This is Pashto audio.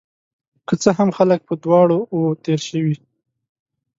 که څه هم، خلک په دواړو وو تیر شوي